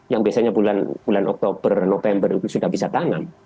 yang biasanya bulan oktober november itu sudah bisa tanam